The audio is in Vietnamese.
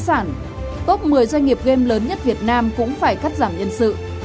top một mươi doanh nghiệp game lớn nhất việt nam cũng phải cắt giảm nhân sự